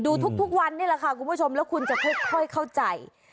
ดูทุกวันนี้แหละค่ะคุณผู้ชมแล้วคุณจะค่อยเข้าใจ